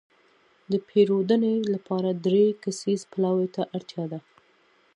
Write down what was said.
د پېرودنې لپاره دری کسیز پلاوي ته اړتياده.